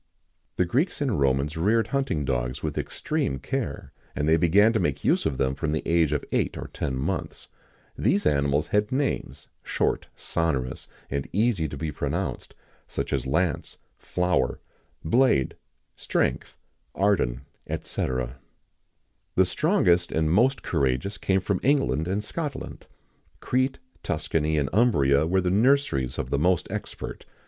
The Greeks and Romans reared hunting dogs with extreme care, and they began to make use of them from the age of eight or ten months.[XIX 19] These animals had names, short, sonorous, and easy to be pronounced, such as Lance, Flower, Blade, Strength, Ardent, &c.[XIX 20] The strongest and most courageous came from England and Scotland;[XIX 21] Crete, Tuscany, and Umbria were the nurseries of the most expert.